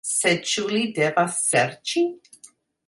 Sed ĉu li devas serĉi?